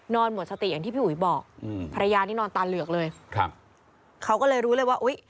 หมดสติอย่างที่พี่อุ๋ยบอกอืมภรรยานี่นอนตาเหลือกเลยครับเขาก็เลยรู้เลยว่าอุ้ย